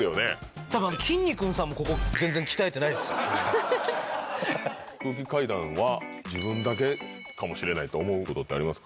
ただ、きんに君さんも空気階段は自分だけかもしれないって思うことってありますか？